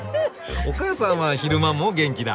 おかあさんは昼間も元気だ！